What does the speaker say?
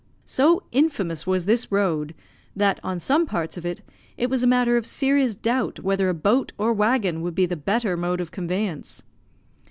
So infamous was this road, that, on some parts of it, it was a matter of serious doubt whether a boat or waggon would be the better mode of conveyance.